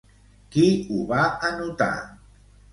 Qui ho va anotar?